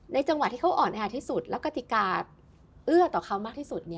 จังหวะที่เขาอ่อนแอที่สุดแล้วกติกาเอื้อต่อเขามากที่สุด